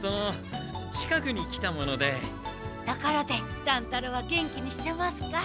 ところで乱太郎は元気にしてますか？